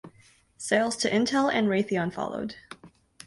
Sales to Intel and Raytheon followed.